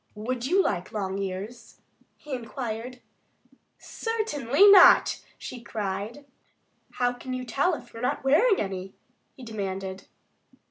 "Would you like long ears?" he inquired. "Certainly not!" she cried. "How can you tell if you've never tried wearing any?" he demanded.